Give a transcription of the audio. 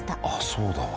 そうだわ。